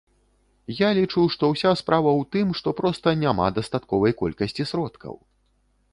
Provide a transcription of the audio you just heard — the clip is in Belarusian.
Я лічу, што ўся справа ў тым, што проста няма дастатковай колькасці сродкаў.